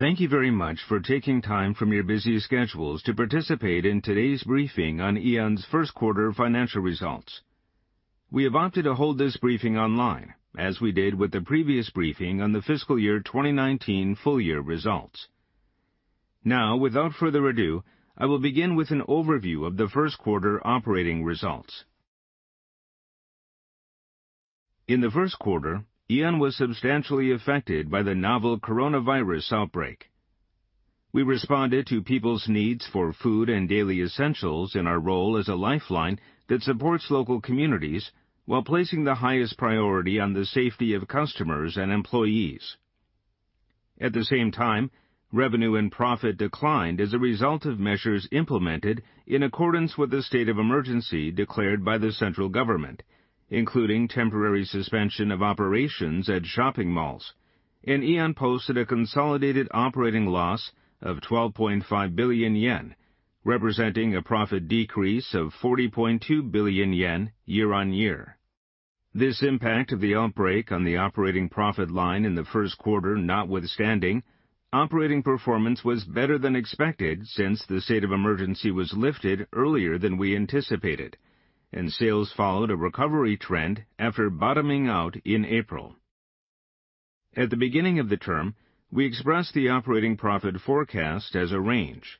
Thank you very much for taking time from your busy schedules to participate in today's briefing on Aeon's first quarter financial results. We have opted to hold this briefing online as we did with the previous briefing on the fiscal year 2019 full year results. Without further ado, I will begin with an overview of the first quarter operating results. In the first quarter, Aeon was substantially affected by the novel coronavirus outbreak. We responded to people's needs for food and daily essentials in our role as a lifeline that supports local communities while placing the highest priority on the safety of customers and employees. At the same time, revenue and profit declined as a result of measures implemented in accordance with the state of emergency declared by the central government, including temporary suspension of operations at shopping malls. Aeon posted a consolidated operating loss of 12.5 billion yen, representing a profit decrease of 40.2 billion yen year-on-year. This impact of the outbreak on the operating profit line in the first quarter notwithstanding, operating performance was better than expected since the state of emergency was lifted earlier than we anticipated, and sales followed a recovery trend after bottoming out in April. At the beginning of the term, we expressed the operating profit forecast as a range.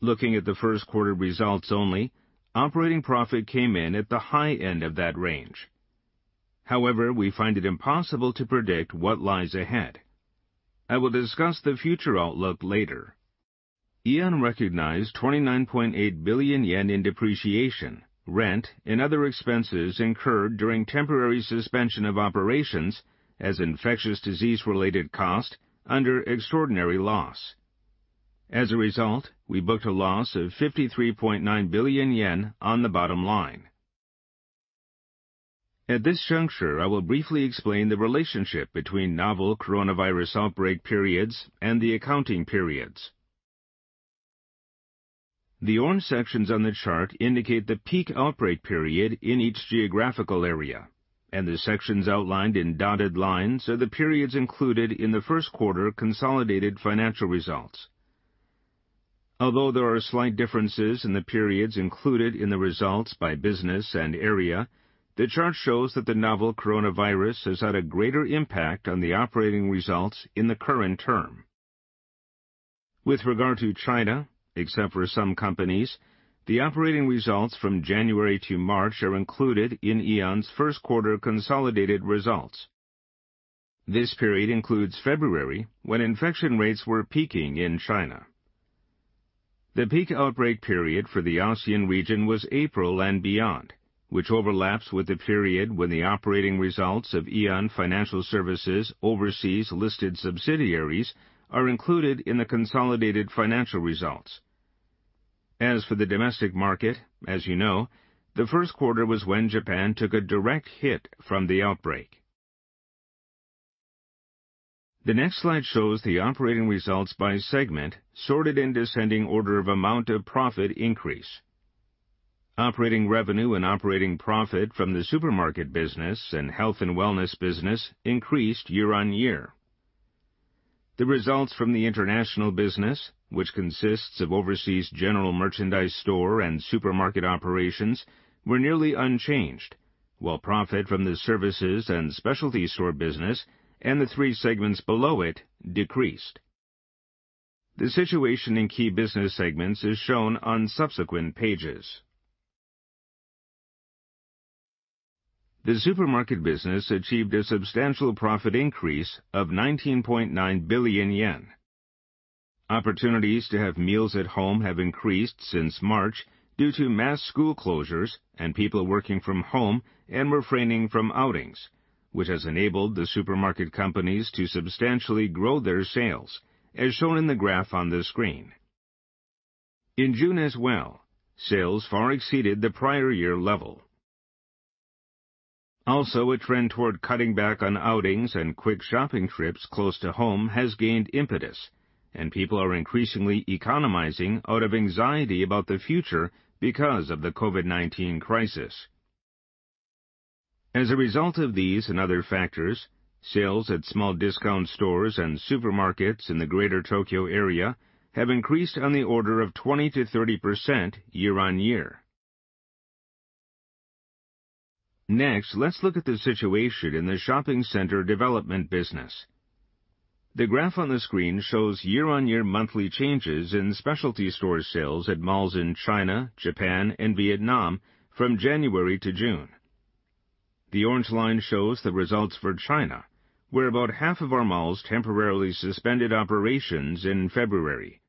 Looking at the first quarter results only, operating profit came in at the high end of that range. We find it impossible to predict what lies ahead. I will discuss the future outlook later. Aeon recognized 29.8 billion yen in depreciation, rent, and other expenses incurred during temporary suspension of operations as infectious disease-related cost under extraordinary loss. As a result, we booked a loss of 53.9 billion yen on the bottom line. At this juncture, I will briefly explain the relationship between novel coronavirus outbreak periods and the accounting periods. The orange sections on the chart indicate the peak outbreak period in each geographical area, and the sections outlined in dotted lines are the periods included in the first quarter consolidated financial results. Although there are slight differences in the periods included in the results by business and area, the chart shows that the novel coronavirus has had a greater impact on the operating results in the current term. With regard to China, except for some companies, the operating results from January to March are included in Aeon's first quarter consolidated results. This period includes February, when infection rates were peaking in China. The peak outbreak period for the ASEAN region was April and beyond, which overlaps with the period when the operating results of Aeon Financial Service overseas listed subsidiaries are included in the consolidated financial results. As for the domestic market, as you know, the first quarter was when Japan took a direct hit from the outbreak. The next slide shows the operating results by segment sorted in descending order of amount of profit increase. Operating revenue and operating profit from the supermarket business and health and wellness business increased year-on-year. The results from the international business, which consists of overseas general merchandise store and supermarket operations, were nearly unchanged, while profit from the services and specialty store business and the three segments below it decreased. The situation in key business segments is shown on subsequent pages. The supermarket business achieved a substantial profit increase of 19.9 billion yen. Opportunities to have meals at home have increased since March due to mass school closures and people working from home and refraining from outings, which has enabled the supermarket companies to substantially grow their sales, as shown in the graph on the screen. In June as well, sales far exceeded the prior year level. A trend toward cutting back on outings and quick shopping trips close to home has gained impetus, and people are increasingly economizing out of anxiety about the future because of the COVID-19 crisis. As a result of these and other factors, sales at small discount stores and supermarkets in the Greater Tokyo area have increased on the order of 20%-30% year-on-year. Next, let's look at the situation in the shopping center development business. The graph on the screen shows year-on-year monthly changes in specialty store sales at malls in China, Japan, and Vietnam from January to June. The orange line shows the results for China, where about half of our malls temporarily suspended operations in February.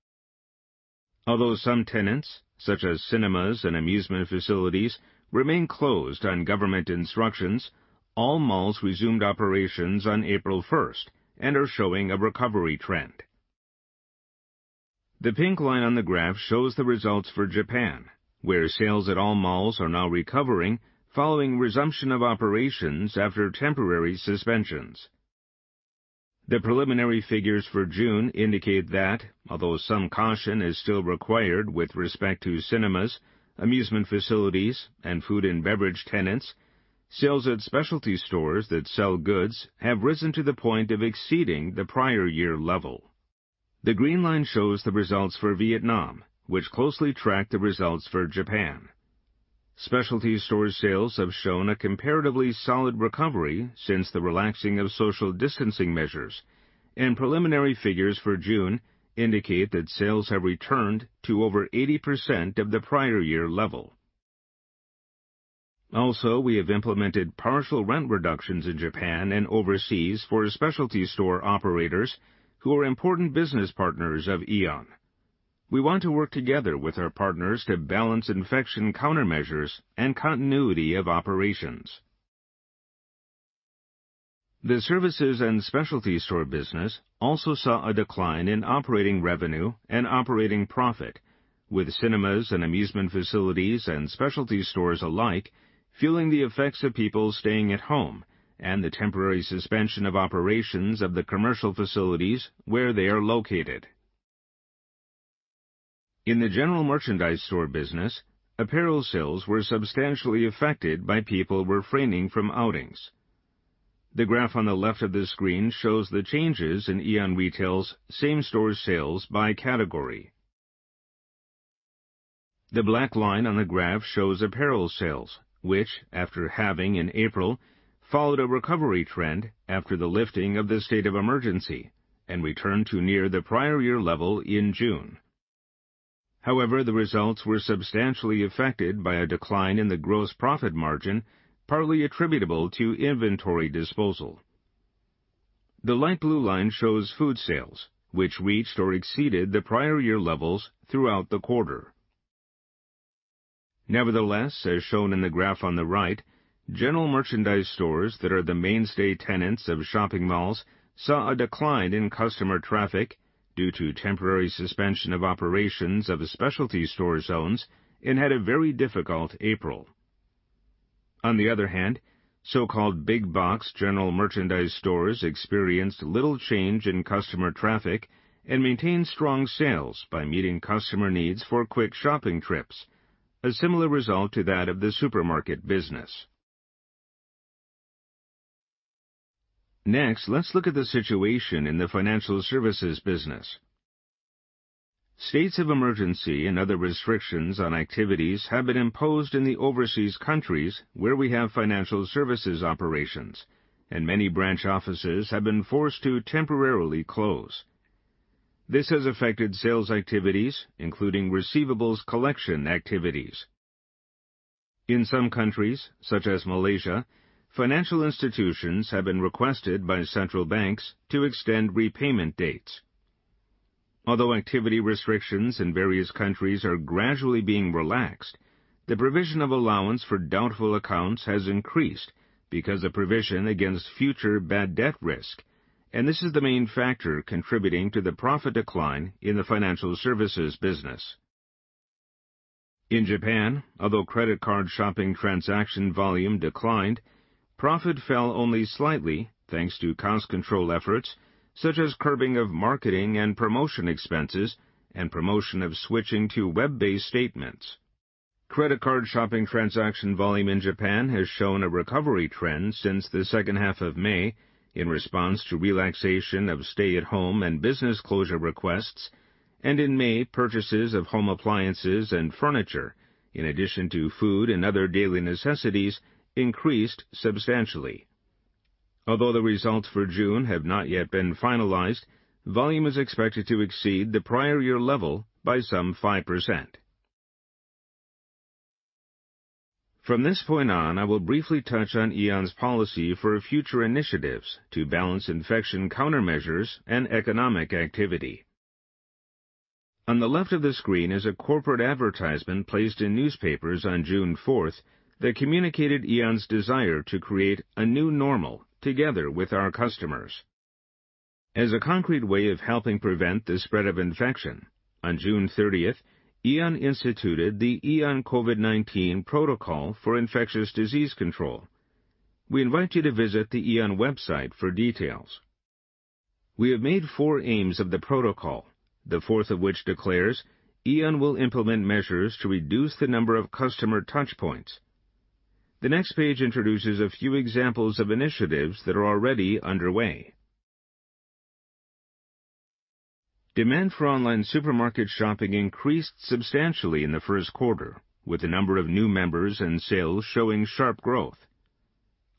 Although some tenants, such as cinemas and amusement facilities, remain closed on government instructions, all malls resumed operations on April 1st and are showing a recovery trend. The pink line on the graph shows the results for Japan, where sales at all malls are now recovering following resumption of operations after temporary suspensions. The preliminary figures for June indicate that although some caution is still required with respect to cinemas, amusement facilities, and food and beverage tenants. Sales at specialty stores that sell goods have risen to the point of exceeding the prior year level. The green line shows the results for Vietnam, which closely track the results for Japan. Specialty store sales have shown a comparatively solid recovery since the relaxing of social distancing measures, and preliminary figures for June indicate that sales have returned to over 80% of the prior year level. We have implemented partial rent reductions in Japan and overseas for specialty store operators who are important business partners of Aeon. We want to work together with our partners to balance infection countermeasures and continuity of operations. The services and specialty store business also saw a decline in operating revenue and operating profit, with cinemas and amusement facilities and specialty stores alike feeling the effects of people staying at home and the temporary suspension of operations of the commercial facilities where they are located. In the general merchandise store business, apparel sales were substantially affected by people refraining from outings. The graph on the left of the screen shows the changes in Aeon Retail's same-store sales by category. The black line on the graph shows apparel sales, which after halving in April, followed a recovery trend after the lifting of the state of emergency and returned to near the prior year level in June. The results were substantially affected by a decline in the gross profit margin, partly attributable to inventory disposal. The light blue line shows food sales, which reached or exceeded the prior year levels throughout the quarter. As shown in the graph on the right, general merchandise stores that are the mainstay tenants of shopping malls saw a decline in customer traffic due to temporary suspension of operations of the specialty store zones and had a very difficult April. On the other hand, so-called big-box general merchandise stores experienced little change in customer traffic and maintained strong sales by meeting customer needs for quick shopping trips, a similar result to that of the supermarket business. Next, let's look at the situation in the financial services business. States of emergency and other restrictions on activities have been imposed in the overseas countries where we have financial services operations, and many branch offices have been forced to temporarily close. This has affected sales activities, including receivables collection activities. In some countries, such as Malaysia, financial institutions have been requested by central banks to extend repayment dates. Although activity restrictions in various countries are gradually being relaxed, the provision of allowance for doubtful accounts has increased because of provision against future bad debt risk, and this is the main factor contributing to the profit decline in the financial services business. In Japan, although credit card shopping transaction volume declined, profit fell only slightly thanks to cost control efforts such as curbing of marketing and promotion expenses and promotion of switching to web-based statements. Credit card shopping transaction volume in Japan has shown a recovery trend since the second half of May in response to relaxation of stay-at-home and business closure requests, and in May, purchases of home appliances and furniture, in addition to food and other daily necessities, increased substantially. Although the results for June have not yet been finalized, volume is expected to exceed the prior year level by some 5%. From this point on, I will briefly touch on Aeon's policy for future initiatives to balance infection countermeasures and economic activity. On the left of the screen is a corporate advertisement placed in newspapers on June 4th that communicated Aeon's desire to create a new normal together with our customers. As a concrete way of helping prevent the spread of infection, on June 30th, Aeon instituted the Aeon COVID-19 Protocol for Infectious Disease Control. We invite you to visit the Aeon website for details. We have made four aims of the protocol, the fourth of which declares Aeon will implement measures to reduce the number of customer touchpoints. The next page introduces a few examples of initiatives that are already underway. Demand for online supermarket shopping increased substantially in the first quarter, with the number of new members and sales showing sharp growth.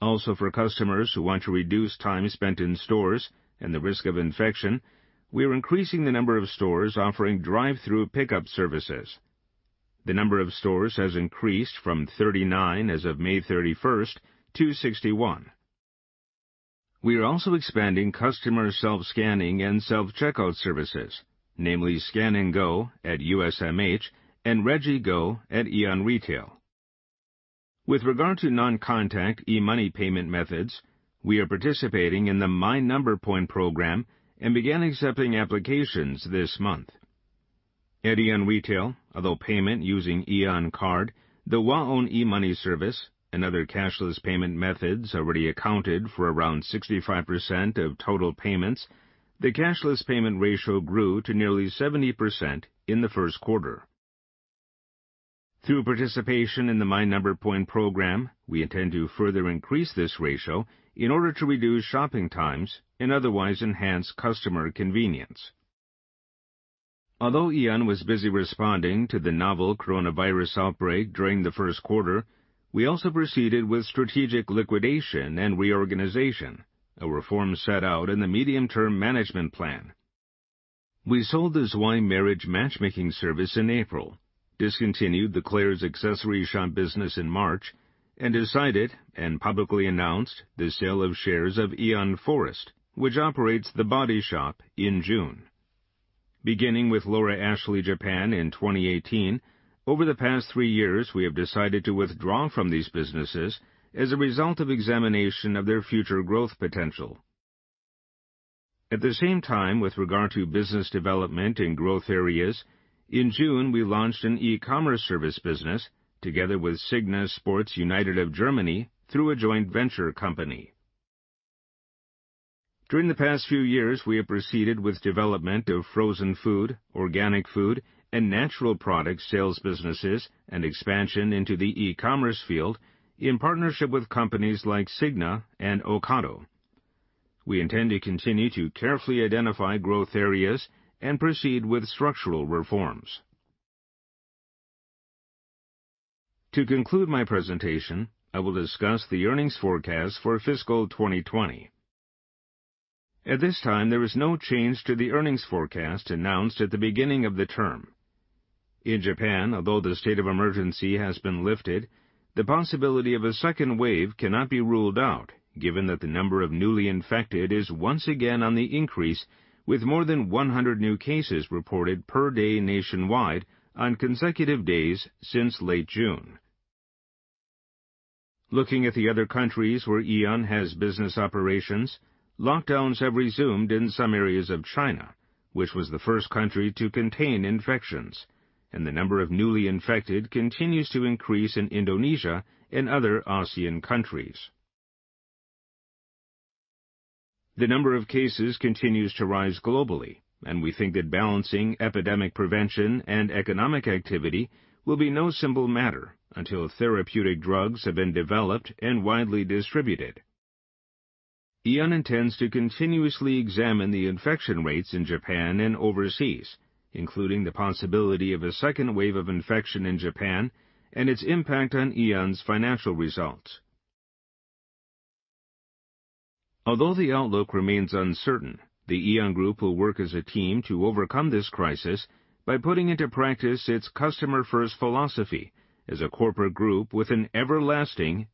For customers who want to reduce time spent in stores and the risk of infection, we are increasing the number of stores offering drive-thru pickup services. The number of stores has increased from 39 as of May 31st to 61. We are also expanding customer self-scanning and self-checkout services, namely Scan & Go at USMH and RegiGo at Aeon Retail. With regard to non-contact eMoney payment methods, we are participating in the My Number Point program and began accepting applications this month. At Aeon Retail, although payment using Aeon Card, the WAON eMoney service, and other cashless payment methods already accounted for around 65% of total payments, the cashless payment ratio grew to nearly 70% in the first quarter. Through participation in the My Number Point program, we intend to further increase this ratio in order to reduce shopping times and otherwise enhance customer convenience. Although Aeon was busy responding to the novel coronavirus outbreak during the first quarter, we also proceeded with strategic liquidation and reorganization, a reform set out in the medium-term management plan. We sold the ZWEI marriage matchmaking service in April, discontinued the Claire's accessory shop business in March, and decided and publicly announced the sale of shares of Aeon Forest, which operates The Body Shop, in June. Beginning with Laura Ashley Japan in 2018, over the past three years, we have decided to withdraw from these businesses as a result of examination of their future growth potential. At the same time, with regard to business development in growth areas, in June, we launched an e-commerce service business together with SIGNA Sports United of Germany through a joint venture company. During the past few years, we have proceeded with development of frozen food, organic food, and natural products sales businesses, and expansion into the e-commerce field in partnership with companies like SIGNA and Ocado. We intend to continue to carefully identify growth areas and proceed with structural reforms. To conclude my presentation, I will discuss the earnings forecast for fiscal 2020. At this time, there is no change to the earnings forecast announced at the beginning of the term. In Japan, although the state of emergency has been lifted, the possibility of a second wave cannot be ruled out given that the number of newly infected is once again on the increase, with more than 100 new cases reported per day nationwide on consecutive days since late June. Looking at the other countries where Aeon has business operations, lockdowns have resumed in some areas of China, which was the first country to contain infections, and the number of newly infected continues to increase in Indonesia and other ASEAN countries. The number of cases continues to rise globally, and we think that balancing epidemic prevention and economic activity will be no simple matter until therapeutic drugs have been developed and widely distributed. Aeon intends to continuously examine the infection rates in Japan and overseas, including the possibility of a second wave of infection in Japan and its impact on Aeon's financial results. Although the outlook remains uncertain, the Aeon Group will work as a team to overcome this crisis by putting into practice its customer-first philosophy as a corporate group with an everlasting,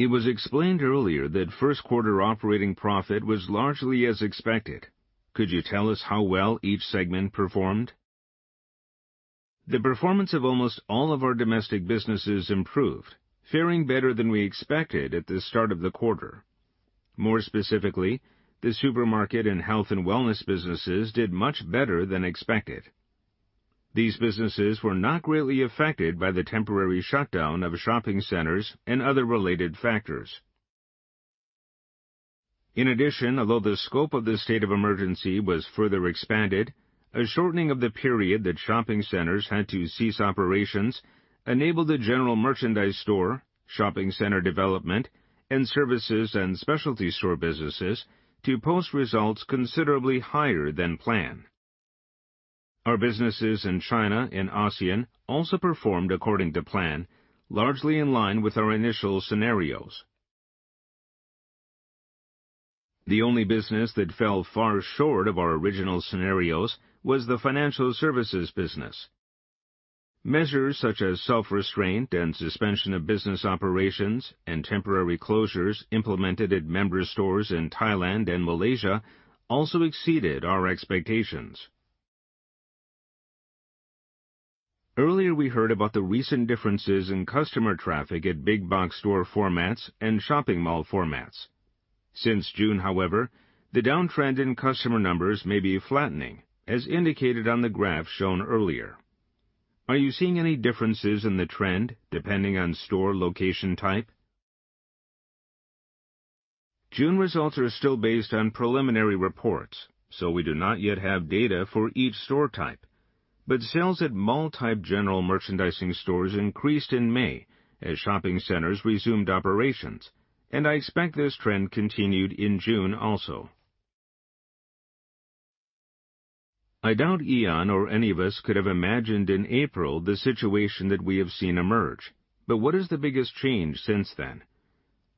innovative spirit. It was explained earlier that first-quarter operating profit was largely as expected. Could you tell us how well each segment performed? The performance of almost all of our domestic businesses improved, faring better than we expected at the start of the quarter. More specifically, the supermarket and health and wellness businesses did much better than expected. These businesses were not greatly affected by the temporary shutdown of shopping centers and other related factors. In addition, although the scope of the state of emergency was further expanded, a shortening of the period that shopping centers had to cease operations enabled the general merchandise store, shopping center development, and services and specialty store businesses to post results considerably higher than planned. Our businesses in China and ASEAN also performed according to plan, largely in line with our initial scenarios. The only business that fell far short of our original scenarios was the financial services business. Measures such as self-restraint and suspension of business operations and temporary closures implemented at member stores in Thailand and Malaysia also exceeded our expectations. Earlier, we heard about the recent differences in customer traffic at big-box store formats and shopping mall formats. Since June, however, the downtrend in customer numbers may be flattening, as indicated on the graph shown earlier. Are you seeing any differences in the trend depending on store location type? June results are still based on preliminary reports, so we do not yet have data for each store type. Sales at mall-type general merchandising stores increased in May as shopping centers resumed operations, and I expect this trend continued in June also. I doubt Aeon or any of us could have imagined in April the situation that we have seen emerge. What is the biggest change since then?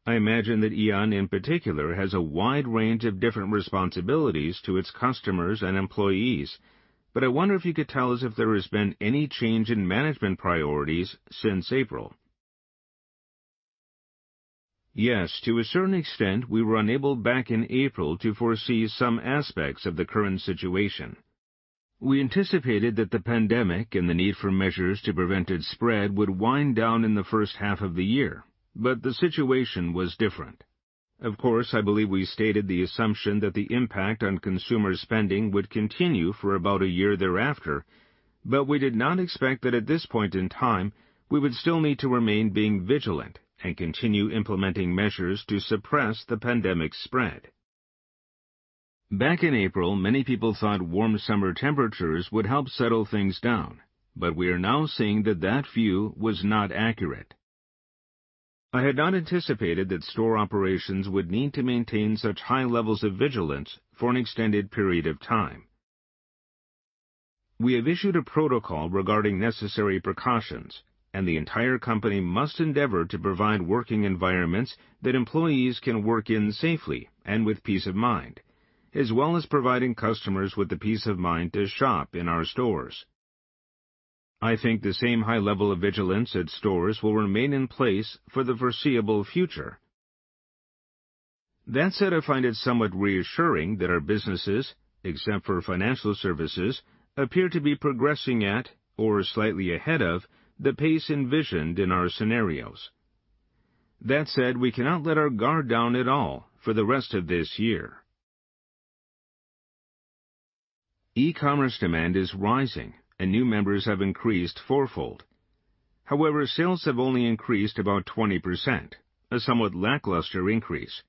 I imagine that Aeon, in particular, has a wide range of different responsibilities to its customers and employees. I wonder if you could tell us if there has been any change in management priorities since April. Yes, to a certain extent, we were unable back in April to foresee some aspects of the current situation. We anticipated that the pandemic and the need for measures to prevent its spread would wind down in the first half of the year, but the situation was different. Of course, I believe we stated the assumption that the impact on consumer spending would continue for about a year thereafter. We did not expect that at this point in time, we would still need to remain being vigilant and continue implementing measures to suppress the pandemic spread. Back in April, many people thought warm summer temperatures would help settle things down, but we are now seeing that that view was not accurate. I had not anticipated that store operations would need to maintain such high levels of vigilance for an extended period of time. We have issued a protocol regarding necessary precautions, and the entire company must endeavor to provide working environments that employees can work in safely and with peace of mind, as well as providing customers with the peace of mind to shop in our stores. I think the same high level of vigilance at stores will remain in place for the foreseeable future. That said, I find it somewhat reassuring that our businesses, except for financial services, appear to be progressing at, or slightly ahead of, the pace envisioned in our scenarios. That said, we cannot let our guard down at all for the rest of this year. E-commerce demand is rising, and new members have increased fourfold. However, sales have only increased about 20%, a somewhat lackluster increase.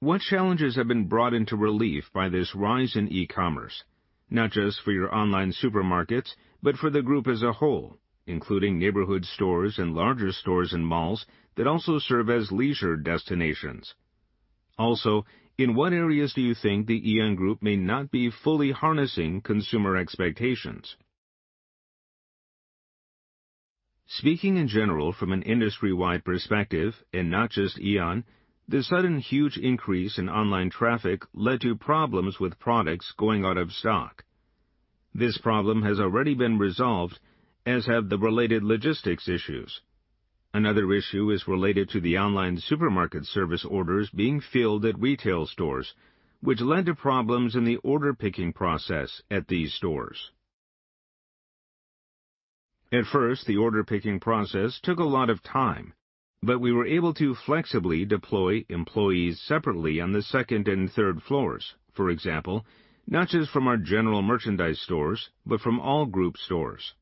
What challenges have been brought into relief by this rise in e-commerce, not just for your online supermarkets, but for the Aeon Group as a whole, including neighborhood stores and larger stores and malls that also serve as leisure destinations? Also, in what areas do you think the Aeon Group may not be fully harnessing consumer expectations? Speaking in general from an industry-wide perspective, and not just Aeon, the sudden huge increase in online traffic led to problems with products going out of stock. This problem has already been resolved, as have the related logistics issues. Another issue is related to the online supermarket service orders being filled at retail stores, which led to problems in the order picking process at these stores. At first, the order picking process took a lot of time, but we were able to flexibly deploy employees separately on the second and third floors, for example, not just from our general merchandise stores, but from all Group stores.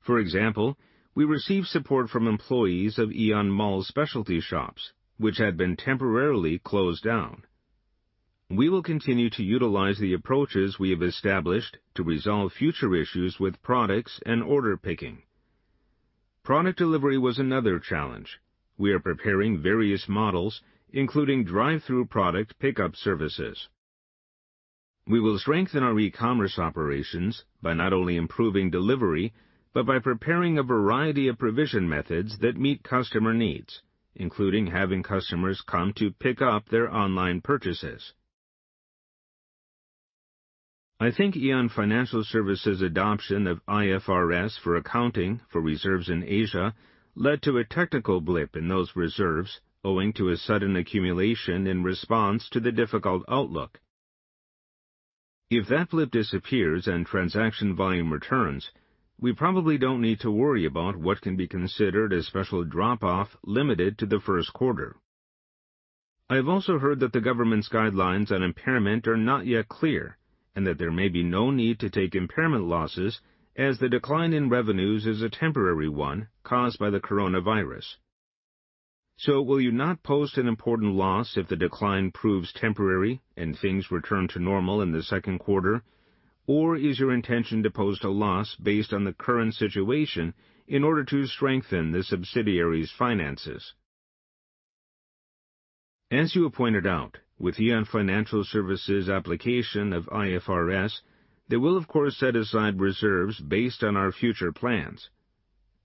For example, we received support from employees of Aeon Mall specialty shops, which had been temporarily closed down. We will continue to utilize the approaches we have established to resolve future issues with products and order picking. Product delivery was another challenge. We are preparing various models, including drive-through product pickup services. We will strengthen our e-commerce operations by not only improving delivery, but by preparing a variety of provision methods that meet customer needs, including having customers come to pick up their online purchases. I think Aeon Financial Service's adoption of IFRS for accounting for reserves in Asia led to a technical blip in those reserves owing to a sudden accumulation in response to the difficult outlook. If that blip disappears and transaction volume returns, we probably don't need to worry about what can be considered a special drop-off limited to the first quarter. I have also heard that the government's guidelines on impairment are not yet clear, and that there may be no need to take impairment losses as the decline in revenues is a temporary one caused by the coronavirus. Will you not post an impairment loss if the decline proves temporary and things return to normal in the second quarter? Is your intention to post a loss based on the current situation in order to strengthen the subsidiary's finances? As you have pointed out, with Aeon Financial Service's application of IFRS, they will of course set aside reserves based on our future plans.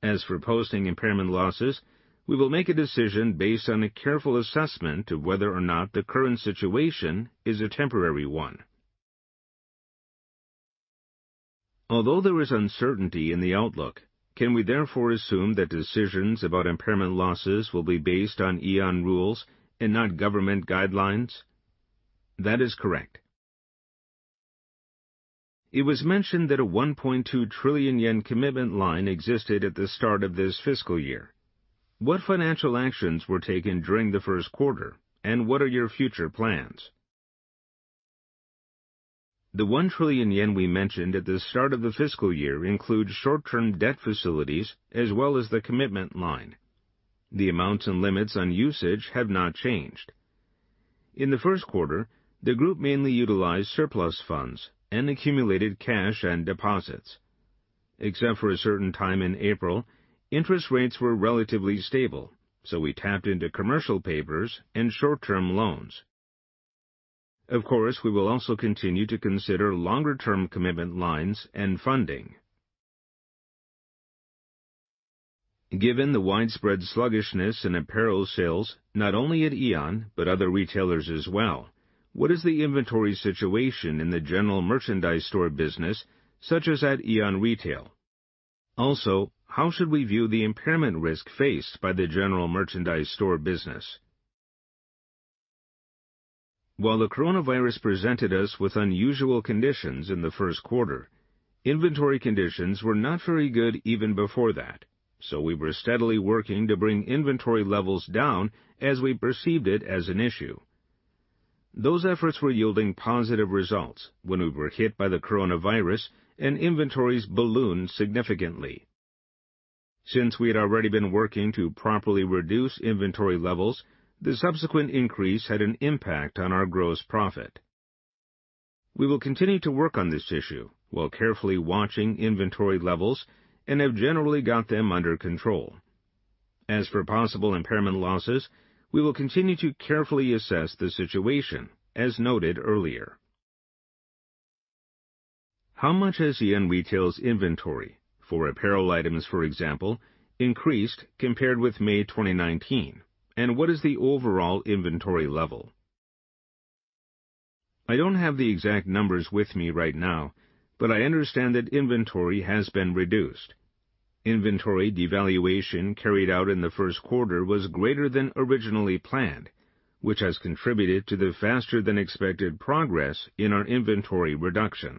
As for posting impairment losses, we will make a decision based on a careful assessment of whether or not the current situation is a temporary one. Although there is uncertainty in the outlook, can we therefore assume that decisions about impairment losses will be based on Aeon rules and not government guidelines? That is correct. It was mentioned that a 1.2 trillion yen commitment line existed at the start of this fiscal year. What financial actions were taken during the first quarter, and what are your future plans? The 1 trillion yen we mentioned at the start of the fiscal year includes short-term debt facilities as well as the commitment line. The amounts and limits on usage have not changed. In the first quarter, the group mainly utilized surplus funds and accumulated cash and deposits. Except for a certain time in April, interest rates were relatively stable, so we tapped into commercial papers and short-term loans. Of course, we will also continue to consider longer-term commitment lines and funding. Given the widespread sluggishness in apparel sales, not only at Aeon, but other retailers as well, what is the inventory situation in the general merchandise store business, such as at Aeon Retail? Also, how should we view the impairment risk faced by the general merchandise store business? While the coronavirus presented us with unusual conditions in the first quarter, inventory conditions were not very good even before that, so we were steadily working to bring inventory levels down as we perceived it as an issue. Those efforts were yielding positive results when we were hit by the coronavirus and inventories ballooned significantly. We had already been working to properly reduce inventory levels, the subsequent increase had an impact on our gross profit. We will continue to work on this issue while carefully watching inventory levels and have generally got them under control. As for possible impairment losses, we will continue to carefully assess the situation, as noted earlier. How much has Aeon Retail's inventory for apparel items, for example, increased compared with May 2019, and what is the overall inventory level? I don't have the exact numbers with me right now. I understand that inventory has been reduced. Inventory devaluation carried out in the first quarter was greater than originally planned, which has contributed to the faster than expected progress in our inventory reduction.